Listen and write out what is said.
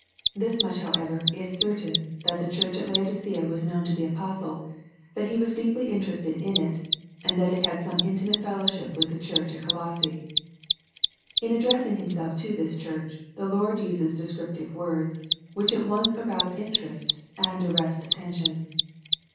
This much however, is certain that the church at Laodicea was known to the apostle, that he was deeply interested in it, and that it had some intimate fellowship with the church at Colosse. In addressing Himself to this church, the Lord uses descriptive words, which at once arouse interest, and arrest attention.